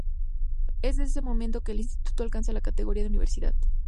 Es desde ese momento que el Instituto alcanza la categoría de universidad.